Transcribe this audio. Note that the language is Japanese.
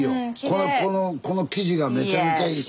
この生地がめちゃめちゃいいし。